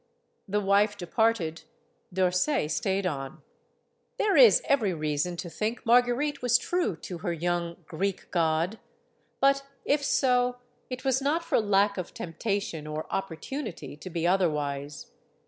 The wife departed; D'Orsay stayed on. There is every reason to think Marguerite was true 222 STORIES OF THE SUPER WOMEN to her young "Greek God." But if so, it was not for lack of temptation or opportunity to be otherwise.